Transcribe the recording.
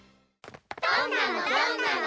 どんなの？